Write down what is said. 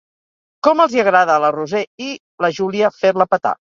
Com els hi agrada a la Roser i la Júlia fer-la petar.